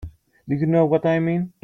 Do you know what I mean?